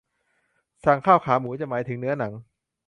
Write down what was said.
สั่งข้าวขาหมูจะหมายถึงเนื้อหนัง